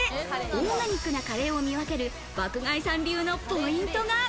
オーガニックなカレーを見分ける爆買いさん流のポイントが。